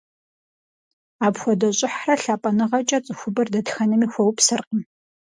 Апхуэдэ щӀыхьрэ лъапӀэныгъэкӀэ цӀыхубэр дэтхэнэми хуэупсэркъым.